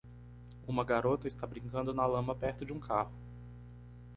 Uma garota está brincando na lama perto de um carro.